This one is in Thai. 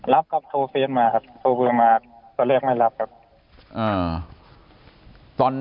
รับครับโทรเฟสมาครับโทรเฟย์มาตอนแรกไม่รับครับ